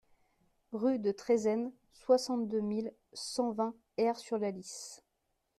Rue de Trézennes, soixante-deux mille cent vingt Aire-sur-la-Lys